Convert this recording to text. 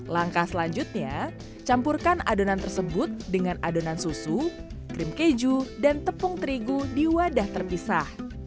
langkah selanjutnya campurkan adonan tersebut dengan adonan susu krim keju dan tepung terigu di wadah terpisah